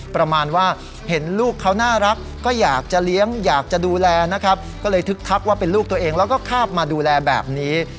ประมาณว่าเห็นลูกเขาน่ารักก็อยากจะเลี้ยงอยากจะดูแลนะครับก็เลยทึกทักว่าเป็นลูกตัวเองแล้วก็ข้าบมาดูแลแบบนี้